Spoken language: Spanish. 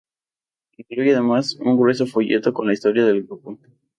Incluye además un grueso folleto con la historia del grupo.